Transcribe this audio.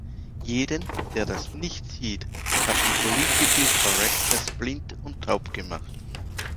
Jeden, der das nicht sieht, hat die Political Correctness blind und taub gemacht.